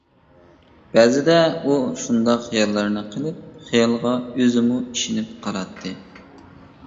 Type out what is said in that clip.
بەزىدە ئۇ شۇنداق خىياللارنى قىلىپ خىيالىغا ئۆزىمۇ ئىشىنىپ قالاتتى.